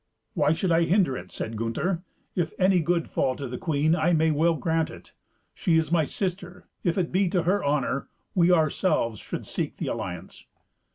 "Why should I hinder it?" said Gunther. "If any good fall to the queen, I may well grant it. She is my sister. If it be to her honour, we ourselves should seek the alliance."